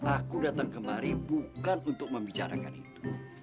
aku datang kemari bukan untuk membicarakan itu